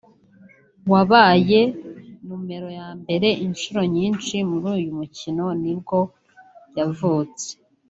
wabaye numero ya mbere inshuro nyinshi muri uyu mukino nibwo yavutse